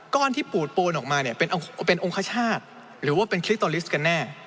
ที่ปูดปูนออกมาเนี่ยเป็นองคชาติหรือว่าเป็นคลิกโตลิสต์กันแน่